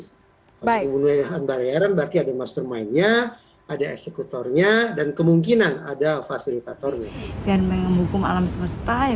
kalau menggunakan bayaran berarti ada mastermindnya ada eksekutornya dan kemungkinan ada fasilitatornya